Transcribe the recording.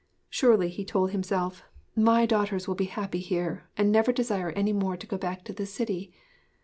'Surely,' he told himself, 'my daughters will be happy here and never desire any more to go back to the city.